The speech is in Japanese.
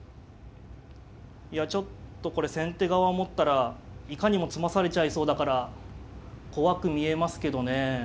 いやちょっとこれ先手側を持ったらいかにも詰まされちゃいそうだから怖く見えますけどね。